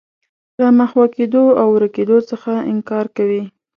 له محوه کېدو او ورکېدو څخه انکار کوي.